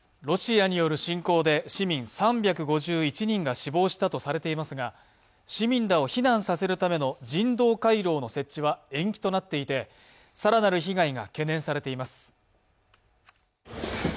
ロシアによる侵攻で市民３５１人が死亡したとされていますが、市民らを避難させるための人道回廊の設置は延期となっていて更なる被害が懸念されています。